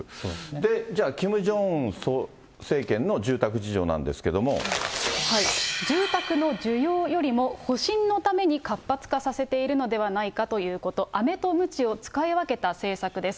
でじゃあ、キム・ジョンウン政権の住宅事情なんですけども。住宅の需要よりも、保身のために活発化されているのではないかということ、アメとムチを使い分けた政策です。